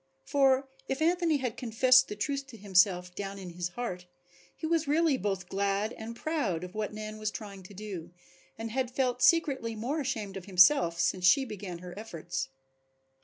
For if Anthony had confessed the truth to himself down in his heart he was really both glad and proud of what Nan was trying to do and had felt secretly more ashamed of himself since she began her efforts.